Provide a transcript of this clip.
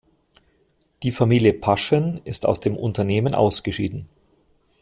Die Familie Paschen ist aus dem Unternehmen ausgeschieden.